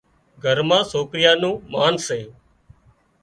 گھر مان سوڪريان نُون مانَ سي